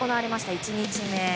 １日目。